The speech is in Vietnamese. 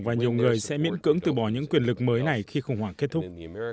và nhiều người sẽ miễn cưỡng từ bỏ những quyền lực mới này khi khủng hoảng kết thúc